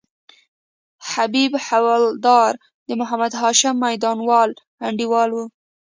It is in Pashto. حبیب حوالدار د محمد هاشم میوندوال انډیوال وو.